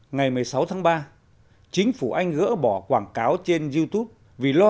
ngày một mươi sáu tháng ba chính phủ anh gỡ bỏ quảng cáo trên youtube vì lộn xe